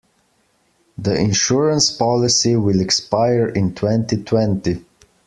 The insurance policy will expire in twenty-twenty.